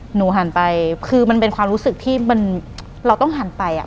หนูหันไปคือมันเป็นความรู้สึกที่มันเราต้องหันไปอ่ะ